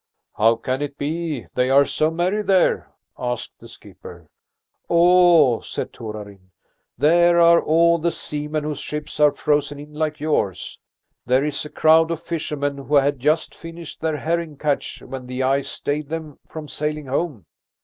"How can it be they are so merry there?" asked the skipper. "Oh," said Torarin, "there are all the seamen whose ships are frozen in like yours. There is a crowd of fishermen who had just finished their herring catch when the ice stayed them from sailing home.